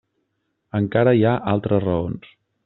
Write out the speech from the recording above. Encara hi ha altres raons.